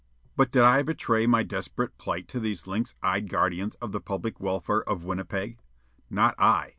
But did I betray my desperate plight to those lynx eyed guardians of the public welfare of Winnipeg? Not I.